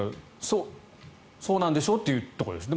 そうなんでしょ？っていうところですよね。